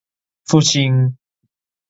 復興